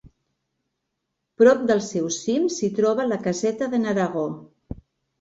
Prop del seu cim s'hi troba la caseta de n'Aragó.